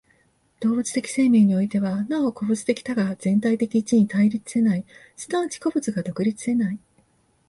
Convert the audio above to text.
動物的生命においては、なお個物的多が全体的一に対立せない、即ち個物が独立せない。